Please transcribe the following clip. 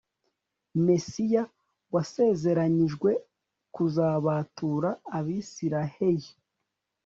mesiya wasezeranyijwe kuzabatura abisirahei